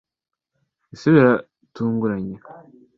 ese biratunguranye